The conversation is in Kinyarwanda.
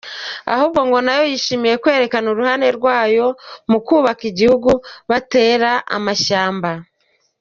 Ahubwo ngo nayo yishimira kwerekana uruhare rwayo mu kubaka igihugu batera amashyamba.